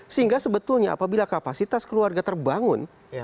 sehingga sebetulnya apabila kapasitas keluarga terbangun